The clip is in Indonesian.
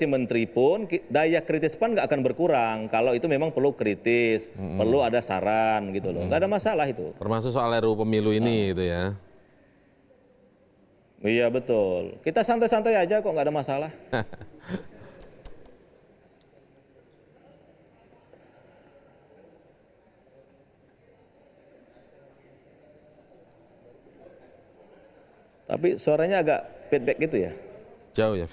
ini sama bang rey ya